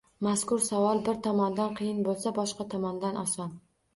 Mazkur savol bir tomondan qiyin bo‘lsa, boshqa tomondan oson.